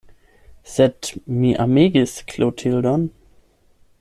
Sed mi amegis Klotildon.